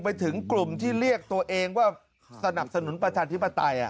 ไปถึงกลุ่มที่เรียกตัวเองว่าสนับสนุนประชาธิปไตย